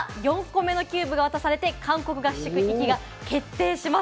いよいよあした４個目のキューブが渡されて韓国合宿行きが決定します。